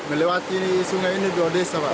melewati sungai ini dua desa pak